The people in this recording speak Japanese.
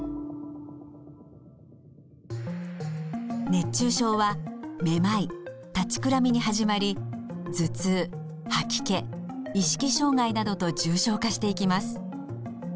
熱中症はめまい立ちくらみに始まり頭痛吐き気意識障害などと重症化していきます。